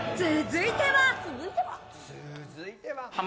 続いては。